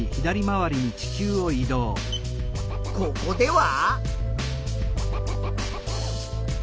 ここでは？